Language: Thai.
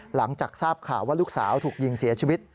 หลังจากทราบข่าวว่าลูกสาวถูกยิงเสียชีวิต